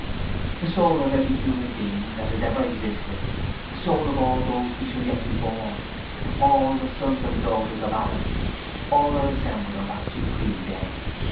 The soul of every human being that has ever existed, the souls of all those who shall yet be born, all the sons and daughters of Adam, all are assembled on that supreme day.